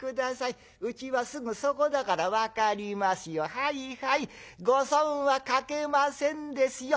はいはいご損はかけませんですよ。